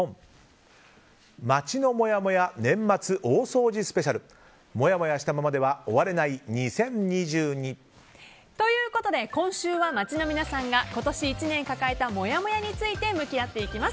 街のもやもや年末大掃除ＳＰもやもやしたままではということで今週は街の皆さんが今年１年抱えたもやもやについて向き合っていきます。